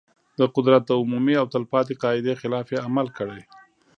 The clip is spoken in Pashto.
د قدرت د عمومي او تل پاتې قاعدې خلاف یې عمل کړی.